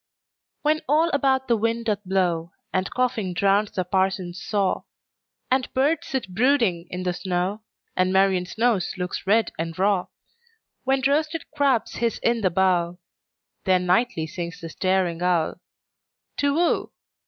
When all about the wind doth blow, And coughing drowns the parson's saw, And birds sit brooding in the snow, And Marian's nose looks red and raw; When roasted crabs hiss in the bowl—Then nightly sings the staring owlTu whoo!